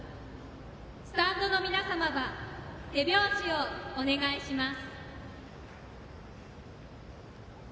スタンドの皆様は手拍子をお願いします。